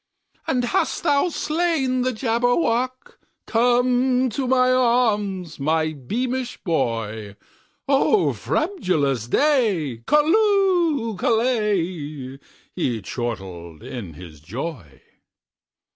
"And hast thou slain the Jabberwock? Come to my arms, my beamish boy!O frabjous day! Callooh! Callay!"He chortled in his joy.